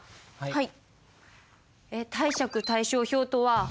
はい。